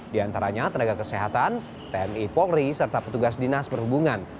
di antaranya tenaga kesehatan tni polri serta petugas dinas perhubungan